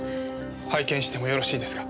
拝見してもよろしいですか？